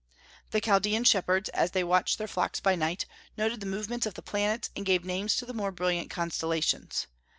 The Chaldaean shepherds, as they watched their flocks by night, noted the movements of the planets, and gave names to the more brilliant constellations.